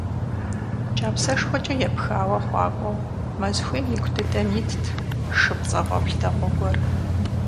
Кӏапсэшхуэкӏэ епхауэ хъуакӏуэу, мэз хуейм ику дыдэм итт шы пцӏэгъуэплъ дэгъуэ гуэр.